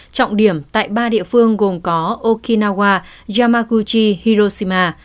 trọng điểm tại ba địa phương gồm có okinawa yamakuchi hiroshima